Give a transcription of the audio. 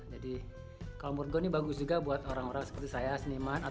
jadi kalau menurut gue ini bagus juga buat orang orang seperti saya seniman